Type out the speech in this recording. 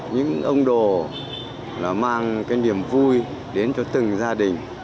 những ông đồ là mang cái niềm vui đến cho từng gia đình